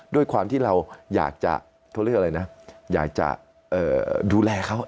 ด้วยความที่เราอยากจะเขาเรียกอะไรนะอยากจะดูแลเขา